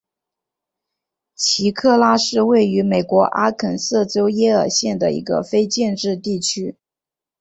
奇克拉是位于美国阿肯色州耶尔县的一个非建制地区。